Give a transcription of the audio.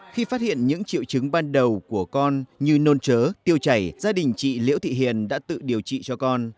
khi phát hiện những triệu chứng ban đầu của con như nôn chớ tiêu chảy gia đình chị liễu thị hiền đã tự điều trị cho con